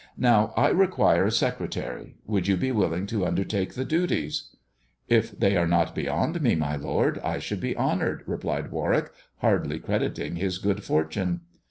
Now I require a secretary ; would you be willing to undertake the duties ?"" If they are not beyond me, my lord, I should be c< 78 THE dwarf's chamber honoured," replied Warwick, hardly crediting his good fortune.